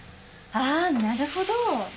ああなるほど。